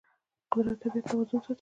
قدرت د طبیعت توازن ساتي.